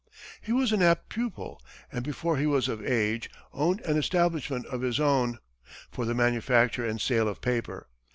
He was an apt pupil, and before he was of age, owned an establishment of his own for the manufacture and sale of paper.